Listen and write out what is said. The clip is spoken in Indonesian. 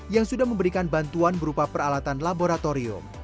yang sudah memberikan bantuan berupa peralatan laboratorium